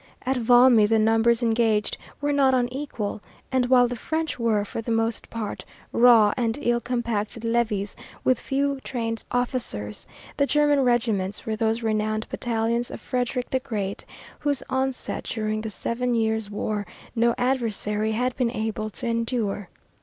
At Valmy the numbers engaged were not unequal, and while the French were, for the most part, raw and ill compacted levies, with few trained officers, the German regiments were those renowned battalions of Frederick the Great whose onset, during the Seven Years' War, no adversary had been able to endure.